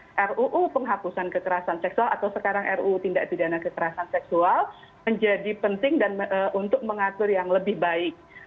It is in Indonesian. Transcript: karena ruu penghapusan kekerasan seksual atau sekarang ruu tindak pidana kekerasan seksual menjadi penting dan untuk mengatur yang lebih baik